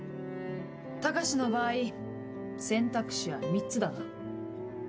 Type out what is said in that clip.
高志の場合選択肢は３つだな。